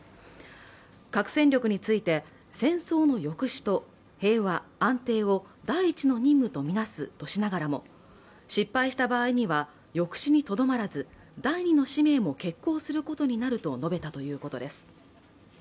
核戦力について、戦争の抑止と平和安定を第一の任務とみなすとしながらも失敗した場合には抑止にとどまらず、第二の使命も決行することになると述べたということです。